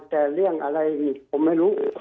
แต่เรื่องอะไรนี่ผมไม่รู้